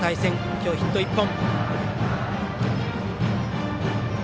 今日ヒット１本。